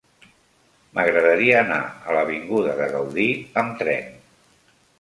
M'agradaria anar a l'avinguda de Gaudí amb tren.